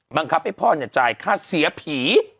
บังคับให้พ่อเนี่ยจ่ายค่าเสียผี